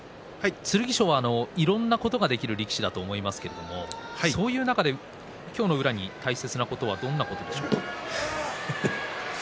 剣翔はいろいろなことができる力士だと思いますけれどもそういう中で今日の宇良に大切なことはどんなことでしょうか。